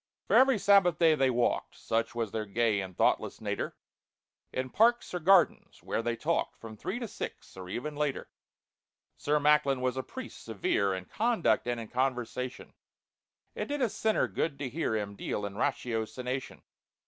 For every Sabbath day they walked (Such was their gay and thoughtless natur) In parks or gardens, where they talked From three to six, or even later. SIR MACKLIN was a priest severe In conduct and in conversation, It did a sinner good to hear Him deal in ratiocination.